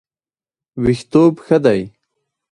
ویښتوب ښه دی.